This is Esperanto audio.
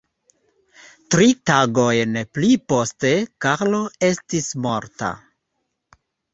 Tri tagojn pli poste Karlo estis morta.